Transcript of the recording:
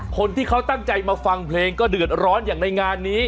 คนที่เขาตั้งใจมาฟังเพลงก็เดือดร้อนอย่างในงานนี้